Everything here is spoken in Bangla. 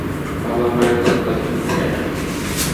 বাবা-মারা কোনো কথা শুনতে চায় না।